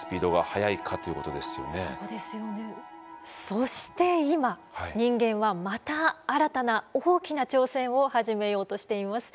そして今人間はまた新たな大きな挑戦を始めようとしています。